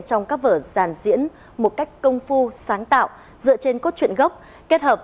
trong các vở giàn diễn một cách công phu sáng tạo dựa trên cốt truyện gốc kết hợp